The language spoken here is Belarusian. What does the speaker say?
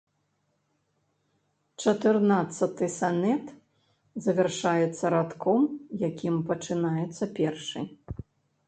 Чатырнаццаты санет завяршаецца радком, якім пачынаецца першы.